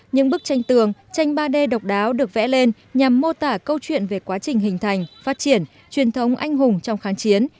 những bức tranh tường tranh ba d độc đáo được vẽ lên nhằm mô tả câu chuyện về quá trình hình thành phát triển truyền thống anh hùng trong kháng chiến